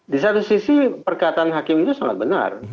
di satu sisi perkataan hakim itu sangat benar